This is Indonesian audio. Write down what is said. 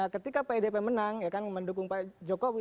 ketika pdp menang ya kan mendukung pak jokowi